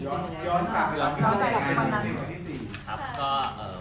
ย้อนต่างกันแล้ว